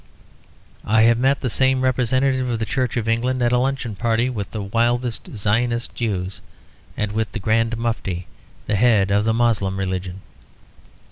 I have met the same representative of the Church of England, at a luncheon party with the wildest Zionist Jews, and with the Grand Mufti, the head of the Moslem religion.